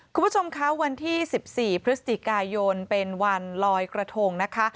คุณผู้ชมคะวันที่๑๔พฤศจิกายนเป็นวันลอยกระทงนะคะ